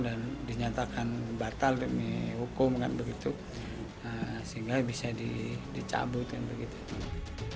dan dinyatakan batal demi hukum kan begitu sehingga bisa dicabutin begitu